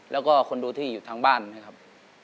แล้วก็คนดูที่อยู่ทางบ้านนะครับ